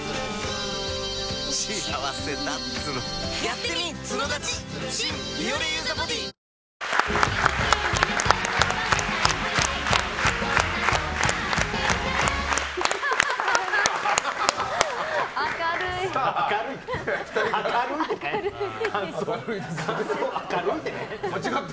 感想、明るいって。